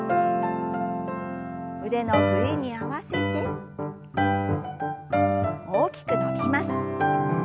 腕の振りに合わせて大きく伸びます。